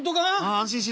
安心しろ。